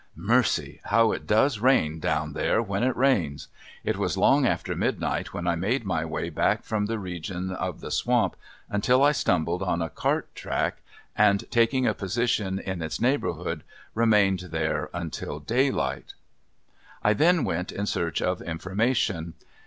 Mercy! how it does rain down there when it rains. It was long after midnight when I made my way back from the region of the swamp until I stumbled on a cart track and taking a position in its neighborhood remained there until daylight. I then went in search of information.